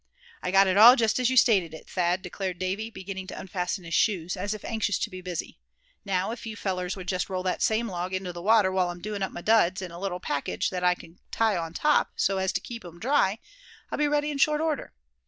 "I got it all just as you stated it, Thad," declared Davy, beginning to unfasten his shoes, as if anxious to be busy; "now, if you fellers would just roll that same log into the water while I'm doing up my duds in a little package that I c'n tie on top, so as to keep 'em dry, I'll be ready in short order.